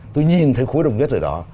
tôi nhìn thấy khối đồng nhất ở đó